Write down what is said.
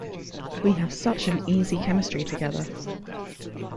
We have such an easy chemistry together.